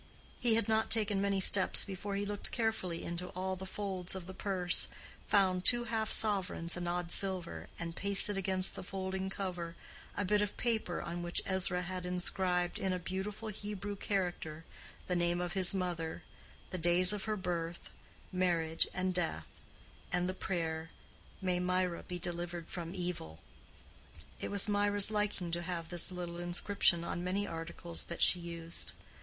He had not taken many steps before he looked carefully into all the folds of the purse, found two half sovereigns and odd silver, and, pasted against the folding cover, a bit of paper on which Ezra had inscribed, in a beautiful Hebrew character, the name of his mother, the days of her birth, marriage, and death, and the prayer, "May Mirah be delivered from evil." It was Mirah's liking to have this little inscription on many articles that she used.